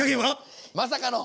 まさかの。